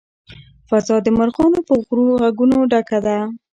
فضا د مرغانو په غږونو ډکه ده.